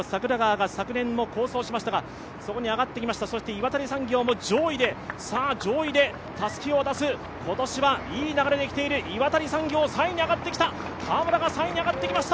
第一生命グループの櫻川が昨年も好走しましたが、そこに上がってきました、岩谷産業も上位でたすきを渡す、今年はいい流れできている岩谷産業３位に上がってきました。